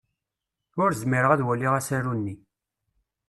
Ur zmireɣ ad waliɣ asaru-nni.